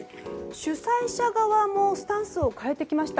主催者側もスタンスを変えてきました。